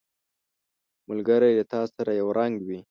ملګری له تا سره یو رنګ وي